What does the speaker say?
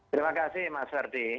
terima kasih mas ferdie